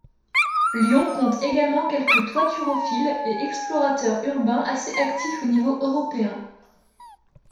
Lyon compte également quelques toiturophiles et explorateurs urbains assez actifs au niveau européen.